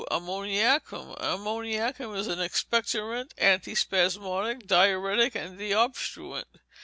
Ammoniacum Ammoniacum is an expectorant, antispasmodic, diuretic, and deobstruent.